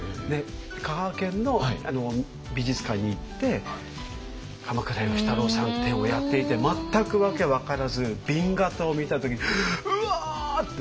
香川県の美術館に行って鎌倉芳太郎さん展をやっていて全く訳分からず紅型を見た時「うわ！」って